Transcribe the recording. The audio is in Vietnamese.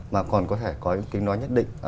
mà còn có thể có những kính nói nhất định